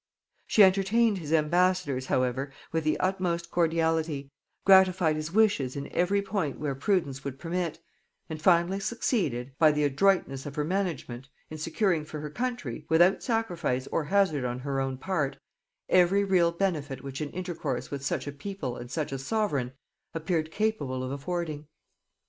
She entertained his ambassadors however with the utmost cordiality, gratified his wishes in every point where prudence would permit, and finally succeeded, by the adroitness of her management, in securing for her country, without sacrifice or hazard on her own part, every real benefit which an intercourse with such a people and such a sovereign appeared capable of affording.